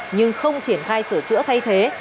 nhưng không triển khai sửa chữa thay thế